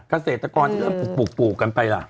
เกษตรกรที่เริ่มปลูกกันไปล่ะ